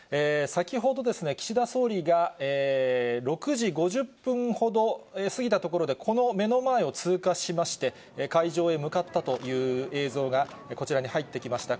先ほど、岸田総理が６時５０分ほど過ぎたところで、この目の前を通過しまして、会場へ向かったという映像がこちらに入ってきました。